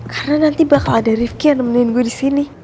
karena nanti bakal ada rifqi yang nemenin gue disini